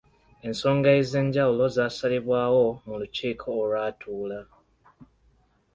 Ensonga ez'enjawulo zaasalibwawo mu lukiiko olwatuula.